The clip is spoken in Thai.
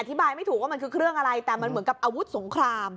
อธิบายไม่ถูกว่ามันคือเครื่องอะไรแต่มันเหมือนกับอาวุธสงคราม